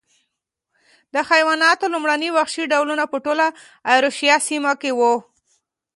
د حیواناتو لومړني وحشي ډولونه په ټوله ایرویشیا سیمه کې و.